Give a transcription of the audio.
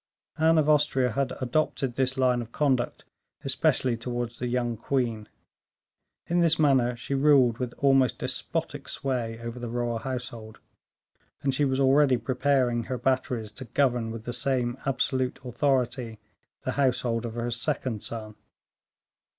Anne of Austria had adopted this line of conduct especially towards the young queen. In this manner she ruled with almost despotic sway over the royal household, and she was already preparing her batteries to govern with the same absolute authority the household of her second son.